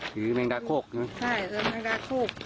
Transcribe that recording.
หรือแม่งดาโคกใช่ไหมใช่หรือแม่งดาโคก